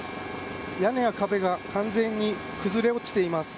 屋根や壁が完全に崩れ落ちています。